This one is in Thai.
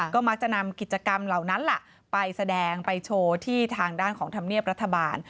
ก็มักจะนำกิจกรรมเหล่านั้นล่ะไปแสดงไปโชว์ที่ทางด้านของธรรมเนียบรัฐบาล